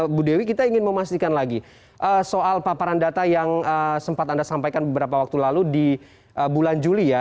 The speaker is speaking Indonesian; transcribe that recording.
ibu dewi kita ingin memastikan lagi soal paparan data yang sempat anda sampaikan beberapa waktu lalu di bulan juli ya